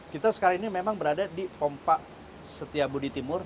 kita sekarang ini memang berada di pompa setiabudi timur